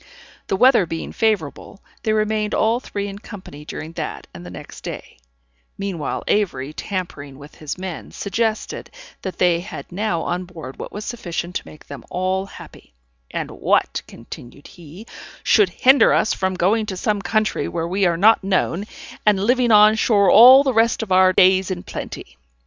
The weather being favorable, they remained all three in company during that and the next day; meanwhile Avery, tampering with his men, suggested, that they had now on board what was sufficient to make them all happy; "and what," continued he, "should hinder us from going to some country where we are not known, and living on shore all the rest of our days in plenty?"